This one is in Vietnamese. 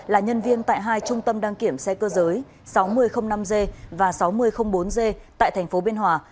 là nhân viên tại hai trung tâm đăng kiểm xe cơ giới sáu nghìn năm g và sáu nghìn bốn g tại tp biên hòa